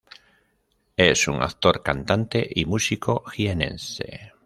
Es un actor, cantante y músico jienense.